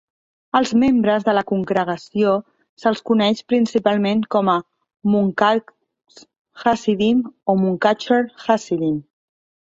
Als membres de la congregació se'ls coneix principalment com "Munkacs Hasidim" o "Munkatcher Hasidim".